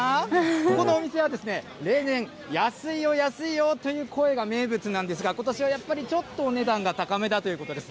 ここのお店はですね、例年、安いよ、安いよという声が名物なんですが、ことしはやっぱりちょっとお値段が高めだということです。